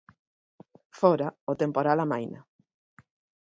Fóra, o temporal amaina.